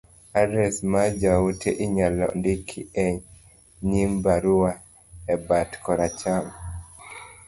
adres ma jaote inyalo ndiko e nyim baruano, e bat koracham,